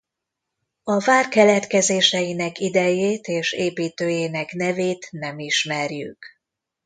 A vár keletkezéseinek idejét és építőjének nevét nem ismerjük.